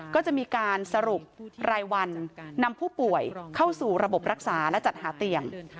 ก็จะมีการสรุปรายวันนำผู้ป่วยเข้าสู่ระบบรักษาและจัดหาเตียง